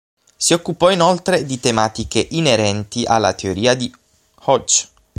Si occupò inoltre di tematiche inerenti alla Teoria di Hodge.